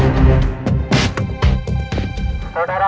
ada yang ingin bicara dengan saya